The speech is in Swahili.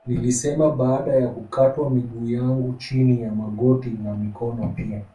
Nilisema baada ya kukatwa miguu yangu chini ya magoti na mikono pia